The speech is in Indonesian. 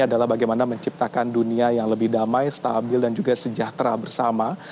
adalah bagaimana menciptakan dunia yang lebih damai stabil dan juga sejahtera bersama